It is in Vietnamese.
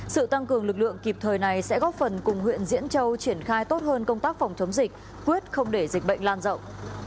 sự tăng cường lực lượng kịp thời này sẽ góp phần cùng huyện diễn châu triển khai tốt hơn công tác phòng chống dịch quyết không để dịch bệnh lan rộng